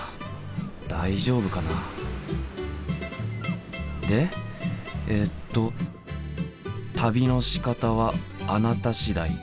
大丈夫かな？でえっと「旅のしかたはあなた次第。